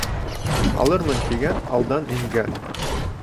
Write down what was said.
Алырмын тигән алдан ингән.